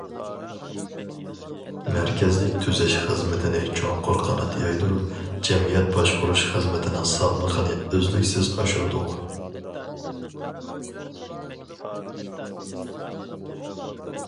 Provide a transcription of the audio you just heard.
مەركەزلىك تۈزەش خىزمىتىنى چوڭقۇر قانات يايدۇرۇپ، جەمئىيەت باشقۇرۇش خىزمىتىنىڭ سالمىقىنى ئۈزلۈكسىز ئاشۇردۇق.